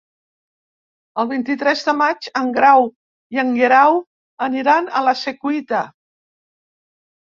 El vint-i-tres de maig en Grau i en Guerau aniran a la Secuita.